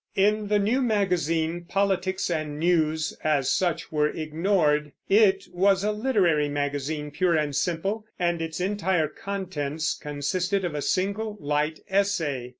In the new magazine politics and news, as such, were ignored; it was a literary magazine, pure and simple, and its entire contents consisted of a single light essay.